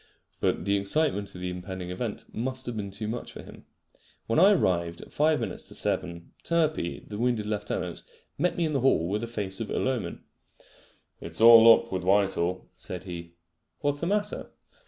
But the excitement of the impending event must have been too much for him. When I arrived at five minutes to seven, Turpey, the wounded lieutenant, met me in the hall with a face of ill omen. "It's all up with Whitehall," said he. "What's the matter?"